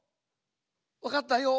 わかったよ。